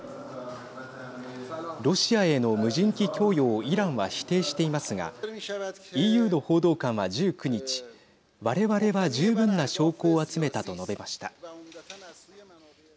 ロシアへの無人機供与をイランは否定していますがＥＵの報道官は１９日我々は十分な証拠を集めたと述べました。